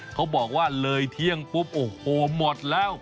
เขาบอกว่าเลยเที่ยงปุ๊บโอ้โหหมดแล้ว